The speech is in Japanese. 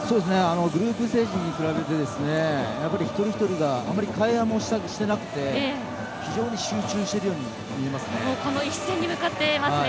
グループステージに比べて一人一人があまり会話もしていなくて非常に集中しているようにこの一戦に向かって。